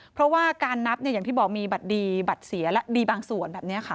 เพราะว่าการนับอย่างที่บอกมีบัตรดีบัตรเสียและดีบางส่วนแบบนี้ค่ะ